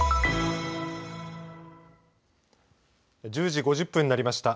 １０時５０分になりました。